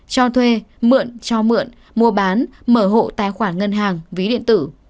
cho thuê mượn cho mượn mua bán mở hộ tài khoản ngân hàng ví điện tử